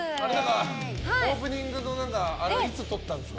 オープニングのあれはいつ撮ったんですか？